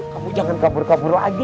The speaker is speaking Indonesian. kamu jangan kabur kabur lagi